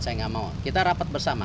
saya nggak mau kita rapat bersama